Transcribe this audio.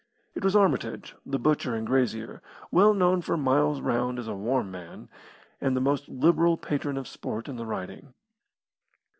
It was Armitage, the butcher and grazier, well known for miles round as a warm man, and the most liberal patron of sport in the Riding.